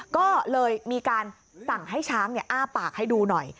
ก็เลยมีการสั่งให้ช้างอ้าปากให้ดูหน่อย